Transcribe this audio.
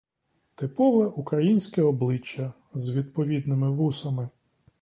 Типове українське обличчя з відповідними вусами.